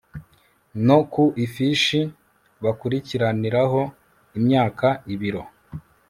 no ku ifishi bakurikiraniraho imyaka ibiro